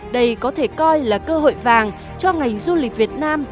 đây có thể coi là cơ hội vàng cho ngành du lịch việt nam